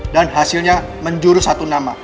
dan hasilnya menjuruh satu nama